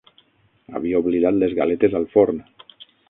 Havia oblidat les galetes al forn.